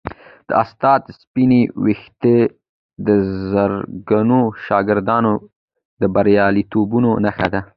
د استاد سپینې ویښتې د زرګونو شاګردانو د بریالیتوبونو نښه ده.